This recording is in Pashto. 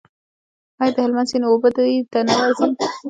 آیا د هلمند سیند اوبه دوی ته نه ورځي؟